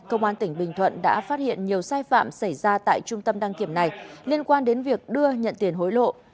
công an tỉnh bình thuận đã phát hiện nhiều sai phạm xảy ra tại trung tâm đăng kiểm này liên quan đến việc đưa nhận tiền hối lộ